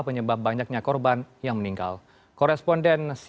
mereka juga memandunganan pasangan